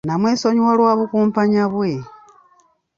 Namwesonyiwa lwa bukumpanya bwe.